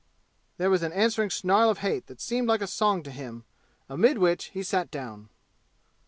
There was an answering snarl of hate that seemed like a song to him, amid which he sat down.